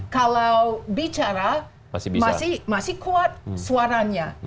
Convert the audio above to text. kalau bicara masih kuat suaranya